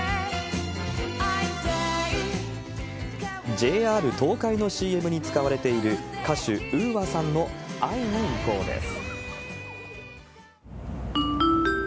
ＪＲ東海のＣＭに使われている、歌手、ＵＡさんの会いにいこうです。